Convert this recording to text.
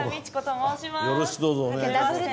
よろしくどうぞお願いいたします。